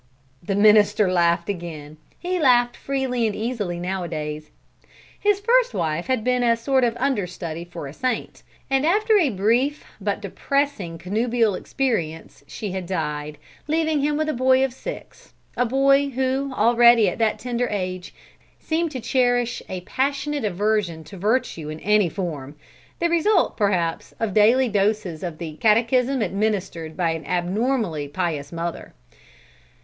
'" The minister laughed again. He laughed freely and easily nowadays. His first wife had been a sort of understudy for a saint, and after a brief but depressing connubial experience she had died, leaving him with a boy of six; a boy who already, at that tender age, seemed to cherish a passionate aversion to virtue in any form the result, perhaps, of daily doses of the catechism administered by an abnormally pious mother.